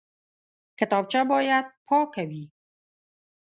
کتابچه باید پاکه وي